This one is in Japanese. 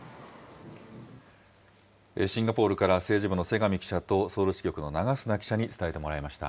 シンガポールから、政治部の瀬上記者と、ソウル支局の長砂記者に伝えてもらいました。